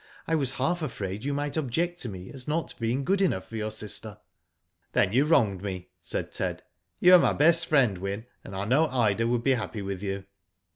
I was half afraid you might object to me as not being good enough for your sister." ''Then you wronged me," said Ted. "You are my best friend, Wyn, and I know Ida would be happy with you."